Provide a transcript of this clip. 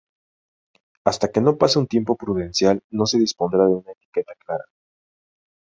Hasta que no pase un tiempo prudencial no se dispondrá de una etiqueta clara.